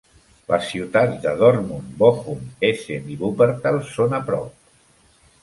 Les ciutats de Dortmund, Bochum, Essen i Wuppertal són a prop.